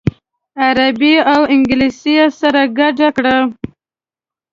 عربي او انګلیسي یې سره ګډه کړه.